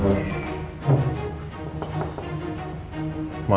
dia sudah siap